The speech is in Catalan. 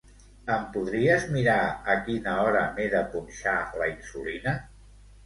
Em podries mirar a quina hora m'he de punxar la insulina?